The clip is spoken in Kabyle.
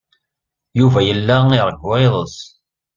Yuba yella iṛewwu iḍes.